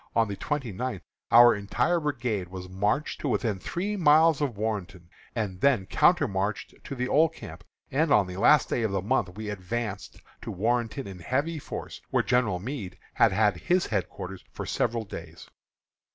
On the twenty ninth our entire brigade was marched to within three miles of Warrenton, and then countermarched to the old camp; and on the last day of the month we advanced to Warrenton in heavy force, where General Meade has had his headquarters for several days.